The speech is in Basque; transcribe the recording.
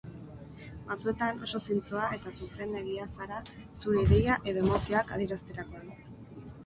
Batzuetan oso zintzoa eta zuzenegia zara zure ideia edo emozioak adierazterakoan.